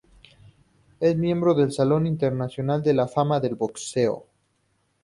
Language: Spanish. Es miembro del Salón Internacional de la Fama del Boxeo.